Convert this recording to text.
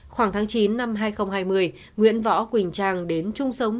khoảng tháng chín năm hai nghìn hai mươi nguyễn võ quỳnh trang đến chung sống